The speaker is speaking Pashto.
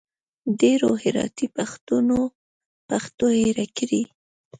ډېرو هراتي پښتنو پښتو هېره کړي